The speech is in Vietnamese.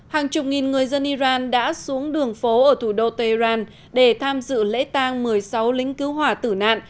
hàng chục nghìn người dân iran đã xuống đường phố ở thủ đô tehran để tham dự lễ tang một mươi sáu lính cứu hỏa tử nạn